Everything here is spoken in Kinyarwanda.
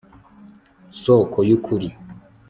soko y'ukuri